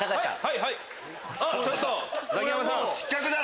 はい？